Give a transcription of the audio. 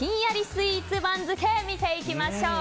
スイーツ番付、見ていきましょう。